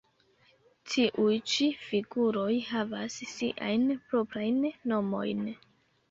Tiuj ĉi figuroj havas siajn proprajn nomojn.